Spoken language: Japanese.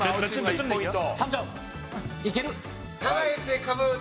２ポイント。